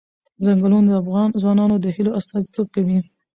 ځنګلونه د افغان ځوانانو د هیلو استازیتوب کوي.